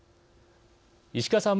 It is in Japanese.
石川さん